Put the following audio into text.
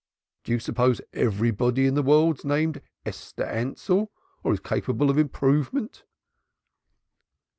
Do you suppose everybody in the world's named Esther Ansell or is capable of improvement?"